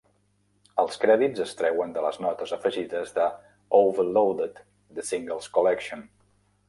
Els crèdits es treuen de les notes afegides de "Overloaded: The Singles Collection".